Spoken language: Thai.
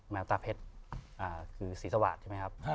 แววตาเพชรคือศรีสวาสใช่ไหมครับ